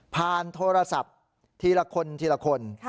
โทรศัพท์ทีละคนทีละคน